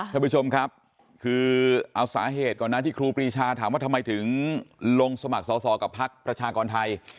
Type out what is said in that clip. ท่านผู้ชมครับคือเอาสาเหตุก่อนนะที่ครูปรีชาถามว่าทำไมถึงลงสมัครสอสอกับพักประชากรไทย